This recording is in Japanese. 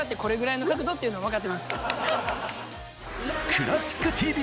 「クラシックＴＶ」！